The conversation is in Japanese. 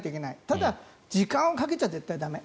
ただ、時間をかけては絶対に駄目。